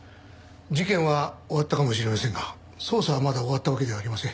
事件は終わったかもしれませんが捜査はまだ終わったわけではありません。